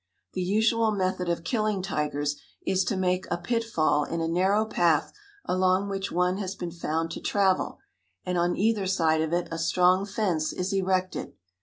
The usual method of killing tigers is to make a pitfall in a narrow path along which one has been found to travel, and on either side of it a strong fence is erected.